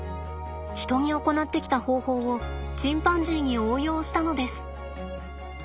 人に行ってきた方法をチンパンジーに応用したのです。